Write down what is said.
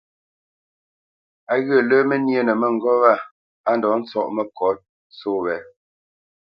Á ghyə̂ lə́ mə́ nyénə mə́ŋgôp wa á ndɔ̌ ntsɔ́ʼ məkǒt só wě.